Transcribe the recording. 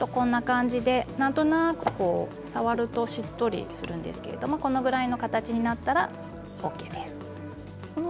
なんとなく触るとしっとりするんですけれどこれぐらいの形になったらＯＫです。